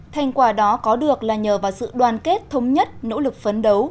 thành quả đó có được là nhờ vào sự đoàn kết thống nhất nỗ lực phấn đấu